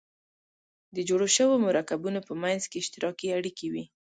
د جوړو شوو مرکبونو په منځ کې اشتراکي اړیکې وي.